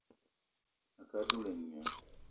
A ke á dula et nya